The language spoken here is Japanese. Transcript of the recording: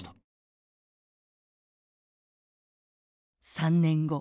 ３年後。